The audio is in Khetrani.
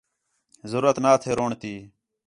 ضرورت نا تھے رووݨ تی